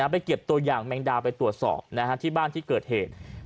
ไปเก็บตัวอย่างแมงดาไปตรวจสอบที่บ้านที่เกิดเหตุ